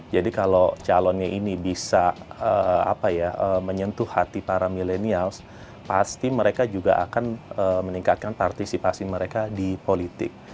jadi kalau calonnya ini bisa menyentuh hati para milenial pasti mereka juga akan meningkatkan partisipasi mereka di politik